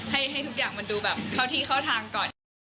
ให้ทุกอย่างมันดูแบบเข้าที่เข้าทางก่อน